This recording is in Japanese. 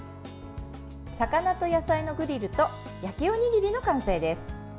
魚と野菜のグリルと焼きおにぎりの完成です。